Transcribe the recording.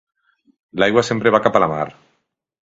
L'aigua sempre va cap a la mar.